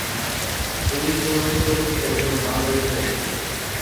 অজিতকুমার চক্রবর্তী একজন বাঙালি সাহিত্যিক।